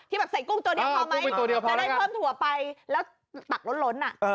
แบบใส่กุ้งตัวนี้พอไหมจะได้เพิ่มถั่วไปแล้วตักล้นอ่ะ